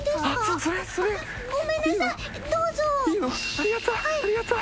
ありがとう。